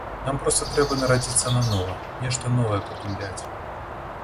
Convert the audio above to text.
Нам проста трэба нарадзіцца нанова, нешта новае прыдумляць.